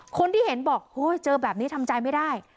คนที่เห็นบอกโอ้ยเจอแบบนี้ทำใจไม่ได้